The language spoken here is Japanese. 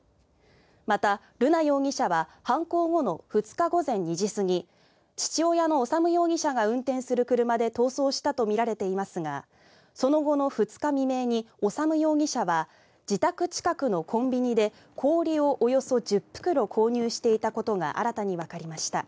また、瑠奈容疑者は犯行後の２日午前２時過ぎ父親の修容疑者が運転する車で逃走したとみられていますがその後の２日未明に修容疑者は自宅近くのコンビニで、氷をおよそ１０袋購入していたことが新たにわかりました。